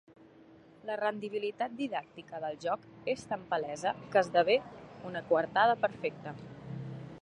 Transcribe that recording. La rendibilitat didàctica del joc és tan palesa que esdevé una coartada perfecta.